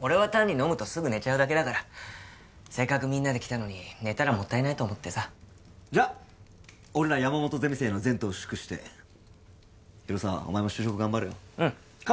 俺は単に飲むとすぐ寝ちゃうだけだからせっかくみんなで来たのに寝たらもったいないと思ってさじゃあ俺ら山本ゼミ生の前途を祝して広沢お前も就職頑張れようん乾杯！